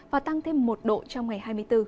và tăng thêm một độ trong ngày hai mươi bốn